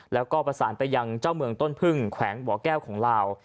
แล้วก็ประสานไปยังเจ้าเมืองต้นพึ่งแขวงบ่อแก้วของลาว